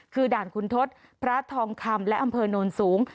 คือด่านคุณทศพระทองคำและอำเภอโนนสูง